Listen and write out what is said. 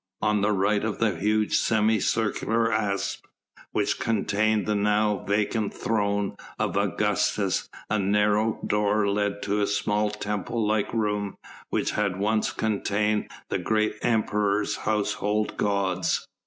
On the right of the huge semi circular apse, which contained the now vacant throne of Augustus, a narrow door led to the small temple like room which had once contained the great Emperor's household gods.